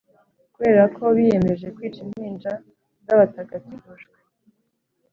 Kubera ko biyemeje kwica impinja z’abatagatifujwe,